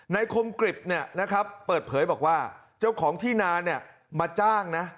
ในคมกริบนะครับเปิดเผยบอกว่าเจ้าของที่นามาจ้างนะ